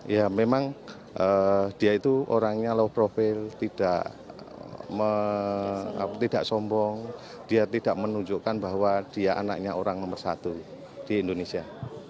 ya memang dia itu orangnya low profile tidak sombong dia tidak menunjukkan bahwa dia anaknya orang nomor satu di indonesia